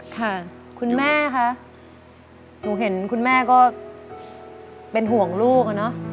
ค่ะคุณแม่คะหนูเห็นคุณแม่ก็เป็นห่วงลูกอะเนอะ